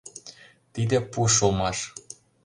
Тиде пуш улмаш.